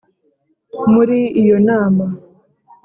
muri iyo nama,